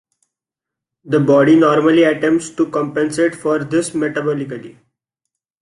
The body normally attempts to compensate for this metabolically.